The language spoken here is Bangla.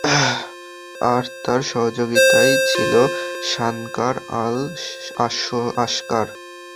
আর তার সহযোগিতায় ছিল শানকার আল-আশকার।